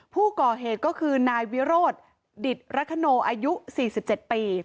ผู้ก่อเหตุก็คือนายวิโรธดิตระคโนอายุ๔๗ปี